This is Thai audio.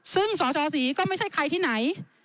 ซึ่งสชศรีก็ไม่ใช่ใครที่ไหน